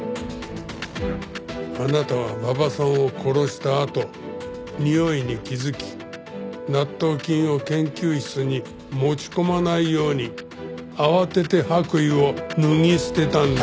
あなたは馬場さんを殺したあとにおいに気づき納豆菌を研究室に持ち込まないように慌てて白衣を脱ぎ捨てたんです。